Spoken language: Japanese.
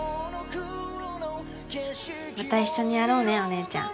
また一緒にやろうねお姉ちゃん。